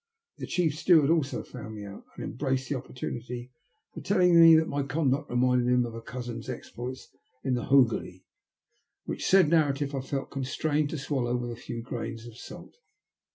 The chief steward also found me out, and embraced the opportunity for telling me that my conduct reminded him of a cousin's exploits in the Hooghly, which said narrative I felt constrained to swallow with a few grains of salt.